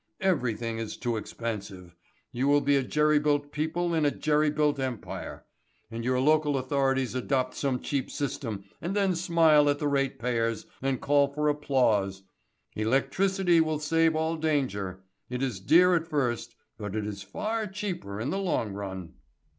Everything is too expensive. You will be a jerry built people in a jerry built empire. And your local authorities adopt some cheap system and then smile at the ratepayers and call for applause. Electricity will save all danger. It is dear at first, but it is far cheaper in the long run."